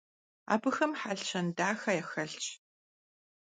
Abıxem hel - şen daxe yaxelhş.